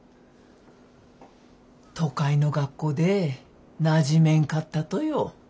都会の学校でなじめんかったとよ。